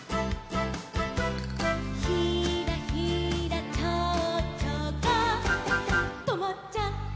「ひらひらちょうちょがとまっちゃった」